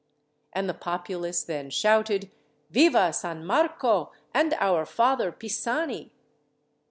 '" And the populace then shouted, "Viva San Marco and our Father Pisani!"